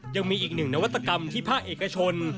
ยังมีอีกหนึ่งนวัตกรรมที่ภาคเอกชน